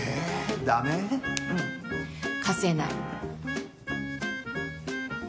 うん、貸せない。